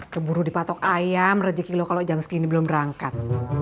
keburu di patok ayam rejeki lo kalo jam segini belum berangkat